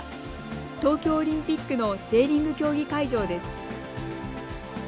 東京オリンピックのセーリング競技会場です。